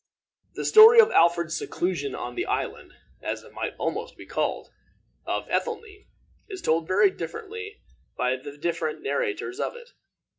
The story of Alfred's seclusion on the island, as it might almost be called, of Ethelney, is told very differently by the different narrators of it.